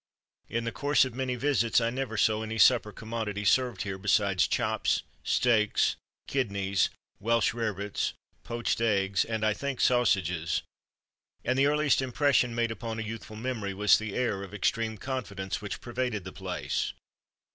In the course of many visits I never saw any supper commodity served here besides chops, steaks, kidneys, welsh rarebits, poached eggs, and (I think) sausages; and the earliest impression made upon a youthful memory was the air of extreme confidence which pervaded the place.